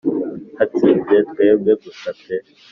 hatsinze twebwe gusa pe